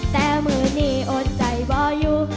แต่มือนี้อดใจบ่อยู่